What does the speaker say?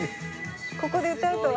ここで歌うとは。